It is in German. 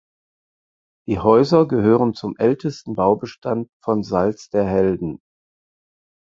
Die Häuser gehören zum ältesten Baubestand von Salzderhelden.